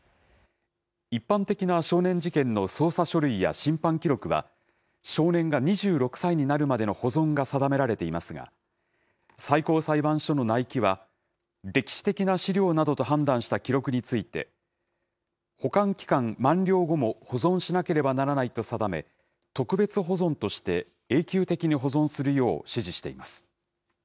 一般的な少年事件の捜査書類や審判記録は、少年が２６歳になるまでの保存が定められていますが、最高裁判所の内規は、歴史的な資料などと判断した記録について、保管期間満了後も保存しなければならないと定め、特別保存として永久的に保存するよう指示しています。